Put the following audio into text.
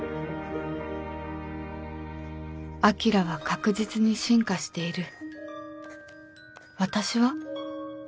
「晶は確実に進化している」